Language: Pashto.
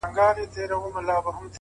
• بختور یې چي مي ستونی لا خوږیږي,